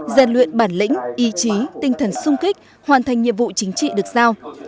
gian luyện bản lĩnh ý chí tinh thần sung kích hoàn thành nhiệm vụ chính trị được giao